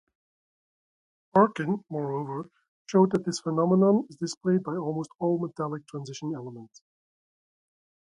Parkin, moreover, showed that this phenomenon is displayed by almost all metalllic transition elements.